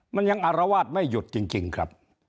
มันยังอารวาสไม่หยุดจริงครับ